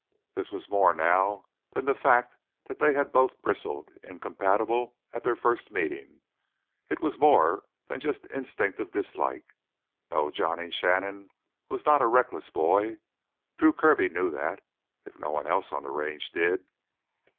This was more now than the fact that they had both bristled, incompatible, at their first meeting. It was more than just instinctive dislike. No, Johnny Shannon was not a reckless boy; Drew Kirby knew that, if no one else on the Range did.